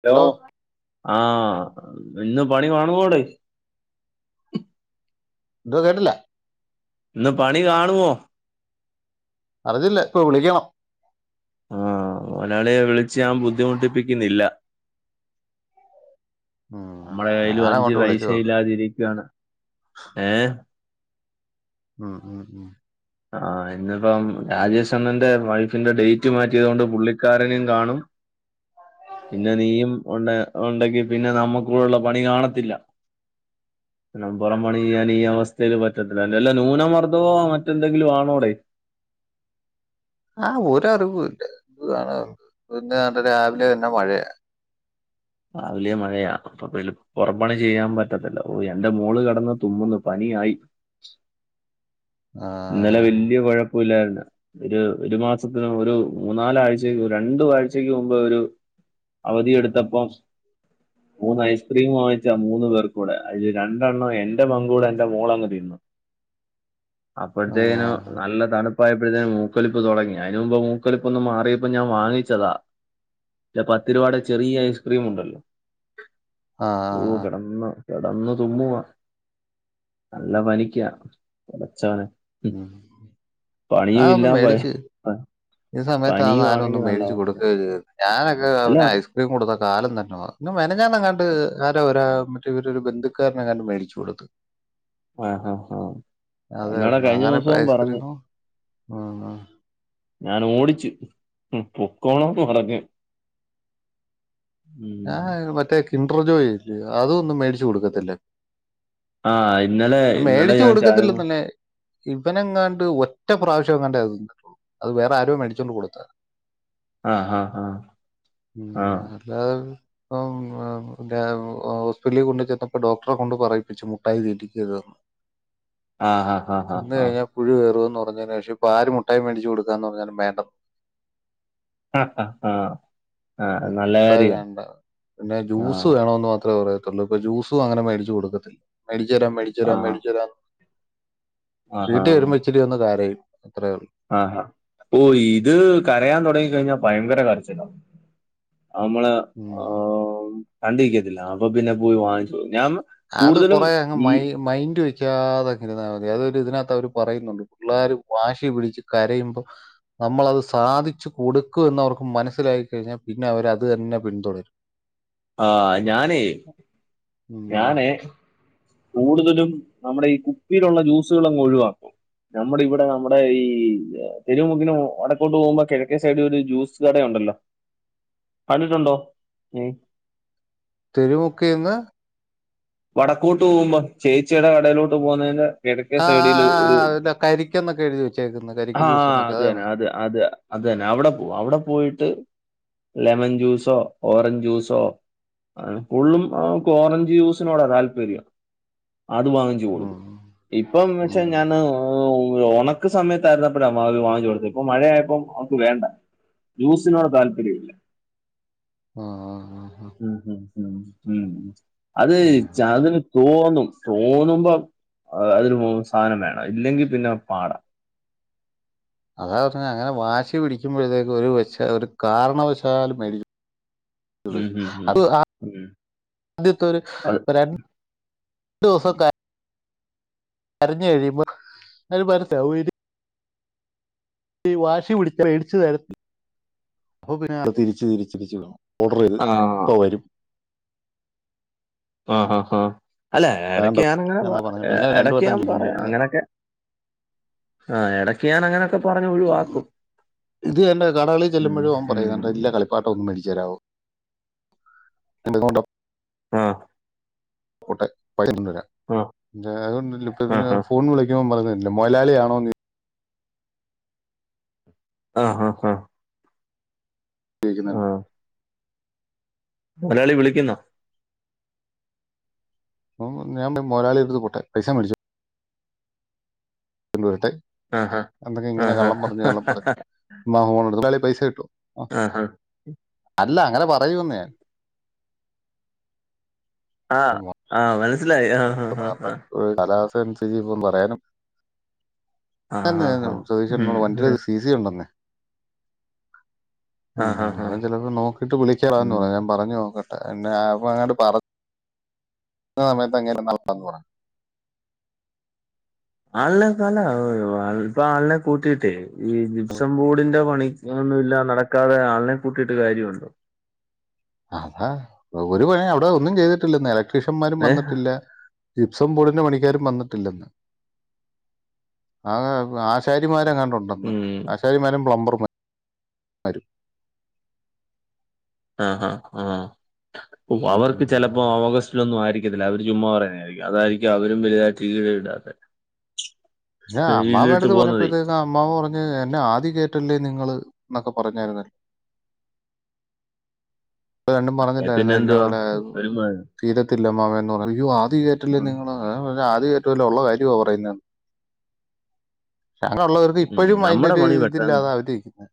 Hello ആഹ് ഇന്ന് പണി മാണോട് ന്ദോ കേട്ടില്ലേ ഇന്ന് പണി കാണുവോ അറിഞ്ഞില്ല ഇപ്പൊ വിളിക്കണം ആ മൊയ്ലാളിയെ വിളിച്ച് ഞാൻ ബുദ്ധിമുട്ടിപ്പിക്കുന്നില്ല ഉം. നമ്മള കയ്യിലും അഞ്ച് ഞാനങ്ങോട്ട് പൈഷ വിളിച്ചു നോക്കാം ഇല്ലാതിരിക്കുവാണ് ഏഹ് ഉം ഉം ഉം ആ ഇന്നിപ്പം രാജേഷ് അണ്ണന്റെ വൈഫിന്റെ ഡേറ്റ് മാറ്റിയതൊണ്ട് പുള്ളിക്കാരനും കാണും പിന്നെ നീയും ഉണ്ട് ഉണ്ടെങ്കി പിന്നെ നമ്മുക്കൂടള്ള പണി കാണത്തില്ല പുറം പണി ചെയ്യാൻ ഈ അവസ്ഥയിൽ പറ്റത്തില്ല അല്ലാ ന്യൂനമർദ്ദവോ മറ്റെന്തെങ്കിലും ആണോ ടൈ ആഹ് ഒരറിവുല്ല [unintelligible] ഇന്ന് രാവിലെ തന്നെ മഴയ രാവിലെ മഴയാ പുറം പണി ചെയ്യാൻ പറ്റത്തില്ല ഓ എന്റെ മോള് കെടന്ന് തുമ്മുന്ന് പനിയായി ആ, ഇന്നലെ വല്ല്യ കുഴപ്പല്ലായിര്ന്ന് ഒരു ഒരു മാസത്തിന് ഒരു മൂന്നാലാഴ്ചക്ക് രണ്ടു ആഴ്ചക്ക് മുമ്പ് ഒരു അവധി എടുത്തപ്പോം ഉ [inaudible] മൂന്ന് ഐസ്ക്രീം വാങ്ങിച്ചാ മൂന്ന് പേർകൂടെ അയില് രണ്ടെണ്ണം എന്റെ പങ്കൂടെ എന്റെ മോളങ് തിന്നു ആ, അപ്പത്തേക്ക്‌നും നല്ല തണുപ്പായപ്പോഴത്തേന് മൂക്കലിപ്പ് തൊടങ്ങി അഴിന് മുമ്പ് മൂക്കലിപ്പ് ഒന്ന് മാറിയപ്പോ ഞാൻ വാങ്ങിച്ചതാ ഇല്ല പത്ത് രൂപയുടെ ചെറിയ ഐസ്ക്രീം ഉണ്ടല്ലോ ആ, ഓ കെടന്ന് കെടന്നു തുമ്മുവാ നല്ല പനിക്കാ പടച്ചവനെ ഉം പണിയു ഞാനൊന്ന് ഇല്ലാ പൈ മേടിച്ച് ഈ സമയത്ത് ആ സാനം ഒന്നും മേടിച്ചു കൊടുക്കര്ത് ഞാനൊക്കെ അല്ല അവന് ഐസ്ക്രീം കൊടുത്ത കാലം തന്നെ മ മെനഞാന്നങ്ങാണ്ട് ആരൊ ഒരാ മറ്റേ ഇവരെ ഒരു ബന്ധുക്കാരനങ്ങാണ്ട് മേടിച്ചു കൊടുത്ത് ആ ആ ആ അതേ എന്നോട ഉള്ളു കഴിഞ്ഞ അങ്ങനെ ഇപ്പൊ ദിവസവും പറഞ് ഐസ്ക്രീമോ ഉം. ഞാന് ഓടിച് പൊക്കോണം പറഞ് ഞാ ഉം. മറ്റേ കിന്റർ ജോഴില്ലേ അതൊന്നും മേടിച്ചു കൊടുക്കത്തില്ല ആ ഇന്നലെ ഇന്നലെ മേടിച്ചു ഞാൻ കൊടുക്കത്തില്ല ചാരും തന്നെ ഇബനെങ്ങാണ്ട് ഒറ്റ പ്രാവശ്യങ്ങാണ്ടേ [unintelligible] അത് വേറെ ആരൊ മേടിചോണ്ട് കൊടുത്ത ആ ആ ആ ഉം ആ അല്ല [unintelligible] ഹോസ്പിറ്റലിൽ കൊണ്ട് ചെന്നപ്പോ ഡോക്ടറെ കൊണ്ട് പറയിപ്പിച്ചു മുട്ടായി തീറ്റിക്കര് തന്ന് ആഹ് ആഹ് ആഹ് ഹാ ഹാ പുഴു വരുന്ന് പർഞ്ഞാ പക്ഷേ ഇപ്പ ആര് മുട്ടായി മേടിച്ച് കൊടുക്കാ ന്ന് പർഞ്ഞാലും വേണ്ടന്ന് ആഹ് ആഹ് ആഹ് ആഹ് ഉം, നല്ല മുട്ടായി കാര്യവ വേണ്ട പിന്നെ ജ്യൂസ് വേണോന്ന് മാത്രേ പറയത്തുള്ളൂ ഇപ്പൊ ജ്യൂസും അങ്ങനെ മേടിച്ച് കൊടുക്കത്തില്ല, മേടിച്ച് തരാം മേടി ആ ച്ചരാം മേടിച്ചരാം ആ ആ വീട്ടി വരുമ്പോ ഇച്ചിരി ഒന്ന് കരയും, അത്രേ ഒള്ളു ആഹാ ഓ ഇത് കരയാൻ തുടങ്ങിക്കഴിഞ്ഞാൽ ഭയങ്കര കരച്ചിലാവും അഅമ്മള് ഉം കണ്ടിരിക്കത്തില്ല അപ്പൊ പിന്നെ പോയി വാങ്ങിച്ചോടുക്കും ഞാന്ന് അത് കുറേ അങ്ങ് മൈ മൈൻഡ് വെ ക്കാതെങ്ങ് ഇരുന്ന മതി അതൊരു ഇതിനത്ത് അവര് പറയുന്നുണ്ട്. പിള്ളാര് വാശി പിടിച്ച് കരയുമ്പോ നമ്മളത് സാധിച്ചു കൊടുക്കുവെന്നവർക്ക് മനസ്സിലായി കഴിഞ്ഞാൽ പിന്നെ അവരത് തന്നെ പിന്തുടരും ആഹ് ഞാനേ ഉം. ഞാന്‌ കൂടുതലും നമ്മുടെ ഈ കുപ്പിയിലുള്ള ജ്യൂസുകളങ്ങ് ഒഴിവാക്കും നമ്മുടെ ഇവിടെ നമ്മുടെ ഈ തെരുമുക്കിനും വടക്കോട്ട് പോകുമ്പോ കെഴക്കേ സൈഡിലൊരു ഒരു ജ്യൂസ് കടയുണ്ടല്ലോ കണ്ടിട്ടുണ്ടോ ഉം തെരുമുക്കീന്ന് വടക്കോട്ട് പോവുമ്പോ ചേച്ചിയുടെ കടയിലോട്ട് പോകുന്നതിന്റെ കിടക്കേ ആ, ആ, സൈഡിൽ ആ, ഒരു, ആ അല്ല കരിക്കെന്നൊക്കെ എഴുതി വെച്ചേക്കുന്നെ. കരിക്ക് ജ്യൂസ് ആഹ് എന്നൊക്കെ അത് അതാണ്. തന്നെ അത് അത അത് തന്നെ അവിടെ പോ അവിടെ പോയിട്ട് ലെമൺ ജ്യൂസോ ഓറഞ്ച് ജ്യൂസോ കൂട്ലും അ വക്ക് ഓറഞ്ച് ജ്യൂസ് സിനോടാ താല്പര്യം. അത് വാങ്ങിച് ഉം. കൊടുക്കും. ഇപ്പം ന്നു വെച്ച ഉം. ഞാന് ആഹ് ഉണക്ക് സമയത്തായിരുന്നപ്പോഴാ അത് വാങ്ങിച്ചോടുത്ത് ഇപ്പൊ മഴയായപ്പം അവക്ക് വേണ്ട ജ്യൂസിനോട് താല്പര്യ ഇല്ല ആ, ആ, ആ, ആ. ഉ ഉ അത് ആ, ചാർജറ് തോന്നും തോന്നുമ്പോ അതിന് മൂന്നും സാനം വേണം, ഇല്ലെങ്കിൽ പിന്നെ പാടാ അതാപറഞ്ഞേ അങ്ങനെ വാശി പിടിക്കുമ്പോഴത്തേക്കും ഒരു വെ ഒരു കാരണവശാലും മേടിച്ചു - ടും ഉം ഉം ഉം. അതു ആ ഉം. ആദ്യത്തൊര് അത് രണ്ട്ദിവസ ക കരഞ് കഴിയുമ്പോ അവര് മനസ്സിലാകും ഇനി വാശി പിടിച്ച മേടിച്ചു തരത്തി അപ്പ പിന്നെ അത് തിരിച്ച് തിരിച്ച് തിരിച്ചു വിടണം ഓഡറൈത് ആ ഇപ്പവരും ആഹ് ഹാ ഹാ അല്ല വേണ്ട എടക്ക് ഞ്ഞാനു ങ്ങനെപ എന്നാ പറഞ്ഞു പിന്നെ രണ്ടു ഇടക്ക് വട്ടം ഞാൻ ചോദിക്കും പറയാ പിന്നെ അങ്ങനൊക്കെ ആഹ് എടക്ക് ഞാനങ്ങനെ ഇത് തന്നെ കടകളി ഉം, ചെല്ലുമ്പോഴും അവൻ പറയും. ദാണ്ടേ ഉം. എല്ല കളി വാട്ടറൊന്നും മേടിച്ചു തരാവോ? ഇതൊക്കെകൊണ്ടാ ആഹ് പോട്ടെ പൈനൊന്നര അഹ് [unintelligible] ഫോൺ വിളിക്കുമ്പോം പറയുന്നേ കേട്ടിട്ടില്ലേ മൊയാലാളിയാണോന്ന് ചോ ആഹ് ഹാ ഹാ ഉപയോഗിക്കുന്നുണ്ട് മൊയലാളി വിളിക്കുന്നോ അപ്പോം ഞാൻ മൊയലാളി എന്തൊരു ഒന്ന് പൊട്ടൻ. പൈസയും മേടിച്ചോ കൊണ്ടുവരട്ടെ ആ ഹാ എന്തെങ്കിലും ആ ഇങ്ങനെ ഹാ കള്ളം പറഞ്ഞ് കള്ളം പറഞ്ഞ് അമ്മാമ്മ ഫോണ് എടുത്ത് അന്നാലെ പൈസ കിട്ടു. ആഹ് ഹാ അല്ല അങ്ങനെ പറയൂന്ന് ഞാൻ ആഹ് ആഹ് മനസ്സിലായി ആഹ് ഇപ്പോ ഒരു കാലാവസ്ഥ അനുസരിച്ച് ഇപ്പോ പറയാനും, [unintelligible] സതീഷേട്ടന്നോട് വണ്ടിയുടെ സി സി ഉണ്ടെന്നെ ഉം അന്നാ ചെലപ്പോ നോക്കിട്ട് വിളിക്കറാ ന്ന് പറഞ്ഞു. ഞാൻ പറഞ്ഞ് നോക്കട്ടെ എന്നെ അപ്പോങ്ങാണ്ട് പറഞ്ഞ് കിട്ടുന്ന സമയത്ത് അങ്ങേര് നല്ലതാന്ന് പറയും ആളിന്നെയൊക്കെ നല്ലതാ ഇപ്പോ ആളിനെ കൂട്ടിയിട്ടേ ഈ ജിപ്സം ബോർഡിന്റെ പണിക്ക് ഇങ്ങനൊന്നുമില്ലാതെ നടക്കാതെ ആളിനെ കൂട്ടിയിട്ട് കാര്യമുണ്ടോ അതാ ഒരു പണിയും അവിടെ ഒന്നും ചെയ്തിട്ടില്ലന്നേ ഇലക്ട്രീഷ്യന്മാരും ഏഹ്? വന്നിട്ടില്ല ജിപ്സം ബോർഡിന്റെ പണിക്കാരും വന്നിട്ടില്ലെന്ന് ആകെ ആശാരിമാരെങ്ങാണ്ട് ഉണ്ടന്ന് മ്മ്. ആശാരിമാരും പ്ലംബർമാരും ആഹ് ആഹ് ആ അവർക്ക് ഉം. ചിലപ്പോ ഓഗ വീട്ടിലൊന്നും ആയിരിക്കത്തില്ല അവര് ചുമ്മാ പറയുന്നത് ആയിരിക്കും അതായിരിക്കും അവരും വലുതായിട്ട് ഈട് ഇടാത്തെ ഞാൻ ഈട് അമ്മാമ്മേടെ ഇട്ട് അടുത്ത് പോകുന്നതേ. പറഞ്ഞപ്പോഴത്തെക്ക് ആ അമ്മാമ്മ പറഞ്ഞ് എന്നെ ആധി കേറ്റല്ലേ നിങ്ങള് എന്നൊക്കെ പറഞ്ഞായിരുന്നല്ലോ രണ്ടും പറഞ്ഞില്ലായിരുന്നോ പിന്നെ ഇന്ന എന്തുവാ? പോലെ വരുമ്പോ തീരത്തില്ല അമ്മാമ്മേന്ന് പറഞ്ഞ് അയ്യോ ആധി കേറ്റല്ലേ മ്മ്. നിങ്ങള് അതാ പറഞ്ഞെ ആധി കേറ്റുവല്ല ഉള്ള കാര്യമാ പറയുന്നതെന്ന് ഞങ്ങള് ഉള്ളത് കരുതി ഇപ്പഴും അതിന്റെ നമ്മടെ ഒരു പണി പെട്ടെന്ന് ഇതില്ലാത അവര് ഇരിക്കുന്നേ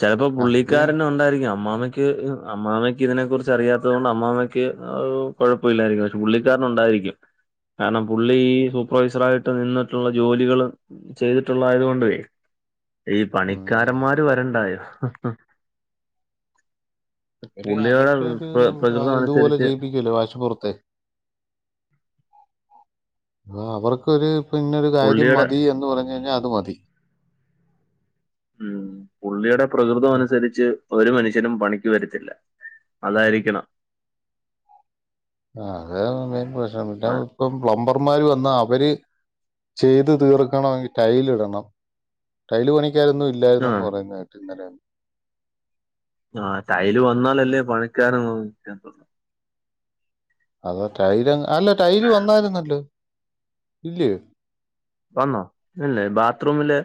ചെലപ്പോ ആഹ് ഇത് പുള്ളിക്കാരൻ ഉണ്ടായിരിക്കാം അമ്മാമ്മയ്ക്ക് അമ്മാമ്മയ്ക്ക് ഇതിനെ കുറിച്ച് അറിയാത്തത് കൊണ്ട് അമ്മാമയ്ക്ക് അത് കൊഴ പ്പം ഇല്ലായിരിക്കും പക്ഷേ പുള്ളിക്കാരന് ഉണ്ടായിരിക്കും കാരണം പുള്ളി സൂപ്പർവൈസർ ആയിട്ട് നിന്നിട്ടുള്ള ജോലികള് ചെയ്തിട്ടുള്ളതായത് കൊണ്ടുവേ ഈ ഉം പണിക്കാരന്മാര് വരണ്ടായോ ഒരു പുള്ളിയുടെ അവർക്കൊരു പ്ര- പ്രകൃതം ഇതുപോലെ അനുസരിച്ച് ചെയ്യിപ്പിക്കുവല്ലേ വാശിപ്പുറത്തെ ആഹ് അവർക്കൊരു ഇപ്പൊ ഇന്നൊരു കാര്യം പുള്ളിയുടെ മതി എന്ന് പറഞ്ഞു കഴിഞ്ഞാൽ അത് മതി ഉം പുള്ളിയുടെ പ്രകൃതം അനുസരിച്ച് ഒരു മനുഷ്യനും പണിക്ക് വരുത്തില്ല അതായിരിക്കണം ആ അതാണ് മെയിൻ പ്രശ്നം മിണ്ടാ ആ ഇപ്പം പ്ലംബർമാര് വന്നാൽ അവര് ചെയ്ത് തീർക്കണമെങ്കിൽ ടൈല് ഇടണം ടൈല് പണിക്കാരൊന്നും ആ, ഇല്ലായിരുന്നെന്ന് പറയുന്നകേട്ട് ഇന്നലെയൊന്നും ആഹ് ടൈല് വന്നാലല്ലേ പണിക്കാര് നിക്കാൻ പറ്റത്തൊള്ളൂ അതാ ടൈല് അല്ല ടൈല് വന്നായിരുന്നല്ലോ ഇല്ലയോ വന്നോ ഇല്ലേ ബാത്റൂമില്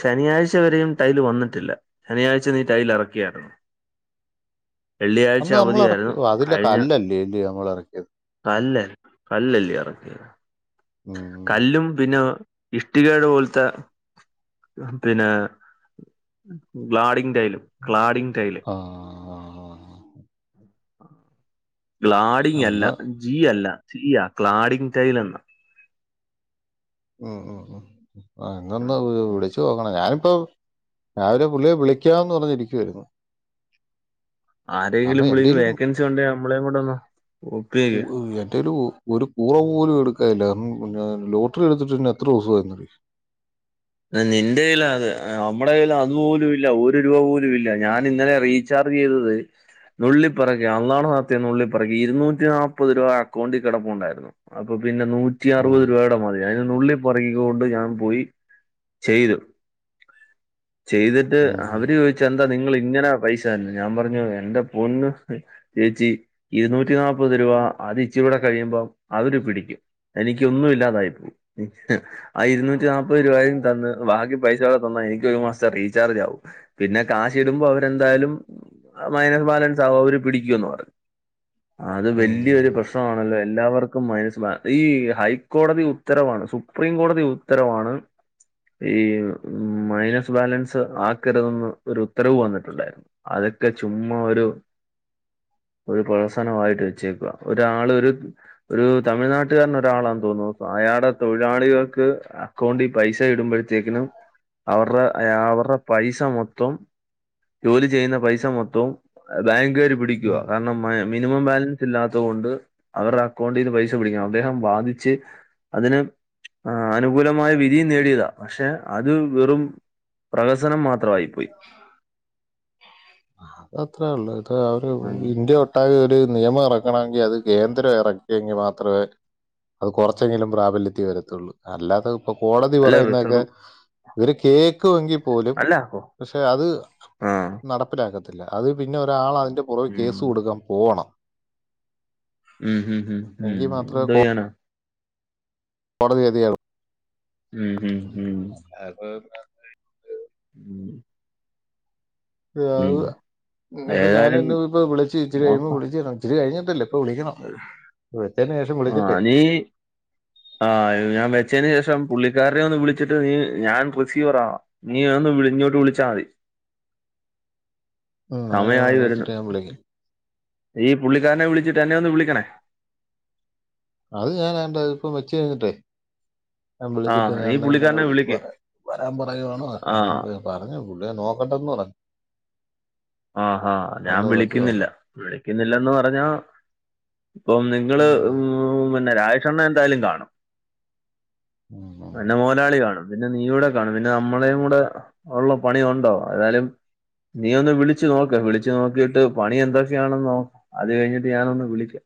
ശനിയാഴ്ച്ച വരെയും ടൈല് വന്നിട്ടില്ല ശനിയാഴ്ച്ച നീ ടൈൽ ഇറക്കിയായിരുന്നോ അന്ന് നമ്മള് ഇറക്കി അവധിയായിരുന്നു ഓ അതിലേ കല്ലല്ലേ ഇല്ലയോ നമ്മൾ ഇറക്കിയത് കല്ല് കല്ല് അല്ലയോ ഇറക്കിയത് ഉം കല്ലും പിന്നെ ഇഷ്ടികേടെ പോലത്തെ പിന്നെ ഗ്ലാഡിങ് ടൈലും ക്ലാഡിങ് ടൈല് ആഹ് ഗ്ലാഡിങ് അല്ല എന്നാ ജി അല്ല സി ആ ക്ലാഡിങ് ടൈലെന്നാ ഉം ഉം ഉം ആ ഇന്നൊന്ന് വിളിച്ചു നോക്ക ണം ഞാനിപ്പോ രാവിലെ പുള്ളിയെ വിളിക്കാന്ന് പറഞ്ഞ് ഇരിക്കുവായിരുന്നു ആരെയെങ്കിലും വിളിക്ക് എന്റേലും വേക്കൻസി ഉണ്ടേ നമ്മളേ കൂടെ ഒന്ന് ബുക്കെയ്യ് ഓ എന്റെയൊരു ഒരു കൂറ പോലും എടുക്കാനില്ല ഉം ഞ ലോട്ടറി എടുത്തിട്ട് തന്നെ എത്ര ദിവസമായിന്നറിയോ നിന്റെ കൈല് അത് നമ്മടെ കയ്യിൽ അതുപോലും ഇല്ല ഒരു രൂപ പോലും ഇല്ല ഞാൻ ഇന്നലെ റീ ചാർജ് ചെയ്തത് നുള്ളിപ്പറകി അന്നാട നാത്തിത്തെ നുള്ളിപെറുക്കി അള്ളാണെ സത്യം നുള്ളി പെറുക്കി ഇരുന്നൂറ്റി നാൽപ്പത് രൂപ അക്കൗണ്ടിൽ കിടപ്പുണ്ടായിരുന്നു അപ്പൊ പിന്നെ നൂറ്റി അറുപത് രൂപയൂടെ മതി അതിന് നുള്ളിപ്പെറുക്കി കൊണ്ട് ഞാൻ പോയി ചെയ്തു ചെയ്തിട്ട് അവര് ചോ ദിച്ച് എന്താ നിങ്ങള് ഇങ്ങനെ പൈസ തരുന്നത് ഞാൻ പറഞ്ഞു എന്റെ പൊന്ന് ചേച്ചി ഇരുന്നൂറ്റി നാപ്പത് രൂപ അത് ഇച്ചിരൂടെ കഴിയുമ്പം അവര് പിടിക്കും എനിക്കൊന്നും ഇല്ലാതായി പോവും ആ ഇരുന്നൂറ്റി നാല്പത് രൂപയും തന്ന് ബാക്കി പൈസയൂടെ തന്നാ എനിക്ക് ഒരു മാസത്തേ റീചർജ് ആവും പിന്നെ കാശ് ഇടുമ്പോ അവരെന്തായാലും മൈനസ് ബാലൻസ് ആകും അവര് പിടിക്കൂന്ന് പറഞ് അത് വല്യരു പ്രശ് ആണല്ലെ എല്ലാവർക്കും മൈനസ് ബാ ഈ ഹൈക്കോടതി ഉത്തരവാണ് സുപ്രീം കോടതി ഉത്തരവാണ് ഈ മൈനസ് ബാലൻസ് ആക്കരുതന്ന് ഒരു ഉത്തരവ് വന്നിട്ടുണ്ടായിരുന്നു അതൊക്കെ ചുമ്മാ ഒരു ഒരു പ്രഹസനമായിട്ട് വെച്ചേക്വ ഒരാള് ഒര് ഒരു തമിഴ്നാട്ടുകാരന് ഒരാളാന്ന് തോന്നുന്നു അയാളെ തൊഴിലാളികൾക്ക് അക്കൗണ്ട് പൈസ ഇടുമ്പോഴത്തേക്കിനും അവരുടെ അയ അവരെ പൈസ മൊത്തം ജോലി ചെയ്യുന്ന പൈസ മൊത്തം ബാങ്കുകാര് പിടിക്ക കാരണം ഏ മിനിമം ബാലൻസ് ഇല്ലാത്തോണ്ട് അവരെ അക്കൗണ്ടിന്ന് പൈസ പിടിക്കും അദ്ദേഹം വാധിച്ച് അതിന് ആ അനുകൂലമായ വി തി നേടിയതാ പക്ഷെ അത് വെറും പ്രഹസനം മാത്രമായി പോയി അത്ര ള്ളൂ അത് അവര് ഇന്ത്യ ട്ടാകെ അഹ് ഒരു നിയമം ഇറക്കണങ്കിൽ അത് കേന്ദ്രം ഇറക്കിയെങ്കിൽ മാത്രെ അത് കൊറച്ചെങ്കിലും പ്രാബല്യത്തി വരത്തൊള്ളൂ അല്ലാതെ പ്പൊ കോടതി അല്ല പറയുന്നൊക്കെ റിസർവ് ഇവര് കേക്കുങ്കിൽ പോലും അല്ല ഓ പക്ഷെ അത് ആ നടപ്പിലാക്കത്തില്ല അത് പിന്നെ ഒരാള പുറകെ ഉം. കേസ് കൊടുക്കാൻ പോണം ഉം ഉം ഉം ഉം എങ്കിൽ ഉം മാത്രമേ എന്തൊയ്യാനാ കോടതി വിധിയാകും ഉം ഉം ഉം [unintelligible] ഉം ഉം. ഇന്ന് പ്പൊ ഏതായാലും ഞാനിന്ന് ഇപ്പ വിളിച്ച് ഇച്ചരി കഴിയുമ്പോ നോക്കാം വിളിച്ചരന്ന് ഇത്തിരി കഴിഞ്ഞിട്ടല്ല ഇപ്പ വിളിക്കണം വെച്ചേന്നു ശേഷം വിളിച്ചിട്ടെ ആഹ് ലീ ആഹ് ഞാൻ വെച്ചന് ശേഷം പുള്ളിക്കാരനെ ഒന്ന് വിളിച്ചിട്ട് നീ ഞാൻ റസീവറാവ നീഒന്ന് വിളി ഇഞ്ഞോട്ട് വിളിച്ചാൽ മതി ഉം അത് ഞാൻ സമയായി വരുന്നു വിളിച്ചിട്ട് ഞാൻ വിളിക്കാം നീ പുള്ളിക്കാരനെ വിളിച്ചിട്ട് എന്നെ ഒന്ന് വിളിക്കണേ അത് ഞാൻ എന്റെ ഇപ്പൊ വെച്ച് കഴിഞ്ഞിട്ടേ ഞാൻ വിളിച്ചിട്ട് ആഹ് ഞാൻ നീ അന്നനെം തന്നെ പുള്ളിക്കാരനെ വിളിച്ച് വിളിക്ക്. പറയാ വരാൻ പറയുവാണോ ആ ആഹ് ഞ പറഞ്ഞു പുള്ളിയെ നോക്കട്ടെന്ന് പറഞ്ഞു ആഹ് ആഹ് ഞാൻ ഒന്ന് വിളിച്ച് വിളിക്കുന്നില്ല നോക്കാം വിളിക്കുന്നില്ലന്ന് പറഞ്ഞ ഇപ്പം നിങ്ങള് ഉം പിന്നെ രാജേഷണ്ണൻ എന്തായാലും കാണു ഉം. ഉം. അനൊ മലാളി കാണും പിന്നെ നീ കൂടെ കാണും പിന്നെ നമ്മളുടെയും കൂടെ ഒള്ള പണിയുണ്ടോ അതായാലും നീ ഒന്ന് വിളിച വിളിച്ച് നോക്ക് വിളിച്ചു നോക്കിട്ട് പണി എന്തൊക്കെയാണൊന്നൊ അത് കഴിഞ്ഞിട്ട് ഞാനൊ ഒന്ന് വിളിക്കാം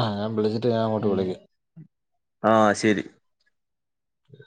ആഹ് ഞാ വിളിട്ട് ഞൻങ്ങോട്ട് ഉം. വിളിക്കാം ആഹ് ശരി ഉ